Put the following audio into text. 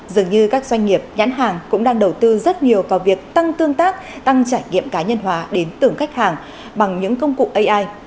dường như các doanh nghiệp nhãn hàng cũng đang đầu tư rất nhiều vào việc tăng tương tác tăng trải nghiệm cá nhân hóa đến tưởng khách hàng bằng những công cụ ai